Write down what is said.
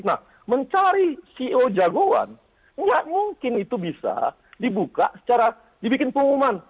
nah mencari ceo jagoan nggak mungkin itu bisa dibuka secara dibikin pengumuman